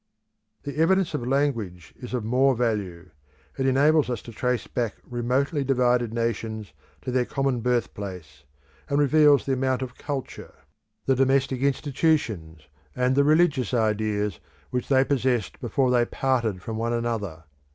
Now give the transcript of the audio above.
The evidence of language is of more value. It enables us to trace back remotely divided nations to their common birth place, and reveals the amount of culture, the domestic institutions, and the religious ideas which they possessed before they parted from one another.